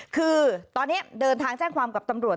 คือตอนนี้เดินทางแจ้งความกับตำรวจ